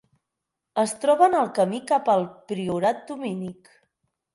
Es troba en el camí cap al priorat dominic.